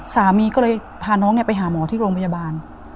สามีก็เลยพาน้องไปหาหมอที่โรงพยาบาล